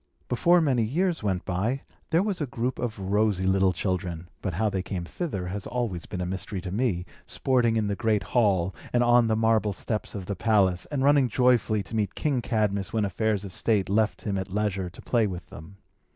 Before many years went by, there was a group of rosy little children (but how they came thither has always been a mystery to me) sporting in the great hall, and on the marble steps of the palace, and running joyfully to meet King Cadmus when affairs of state left him at leisure to play with them.